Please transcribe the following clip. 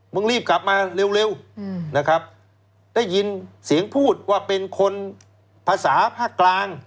รีบกลับมาเร็วนะครับได้ยินเสียงพูดว่าเป็นคนภาษาภาคกลาง